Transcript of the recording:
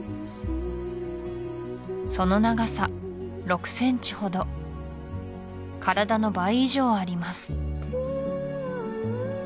その長さ６ｃｍほど体の倍以上あります